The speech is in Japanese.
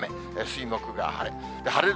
水、木が晴れ。